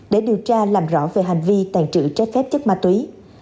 để điều tra làm rõ về hành vi tàn trữ trái phép chất ma túy